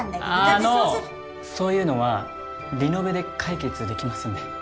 あのそういうのはリノベで解決できますんで。